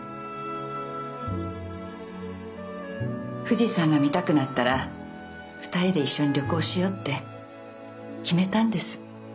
富士山が見たくなったら二人で一緒に旅行しようって決めたんです。